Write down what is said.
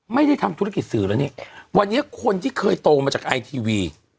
ไม่ได้ทำธุรกิจสื่อแล้วนี่วันนี้คนที่เคยโตมาจากไอทีวี